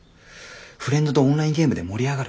フレンドとオンラインゲームで盛り上がる。